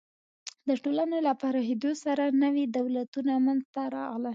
د ټولنو له پراخېدو سره نوي دولتونه منځ ته راغلل.